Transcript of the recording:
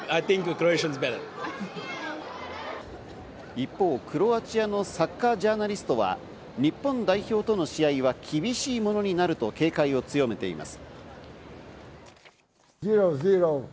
一方、クロアチアのサッカージャーナリストは、日本代表との試合は厳しいものになると警戒を強めています。